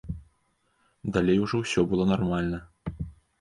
Далей ужо ўсё было нармальна.